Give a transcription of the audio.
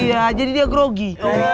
iya jadi dia grogi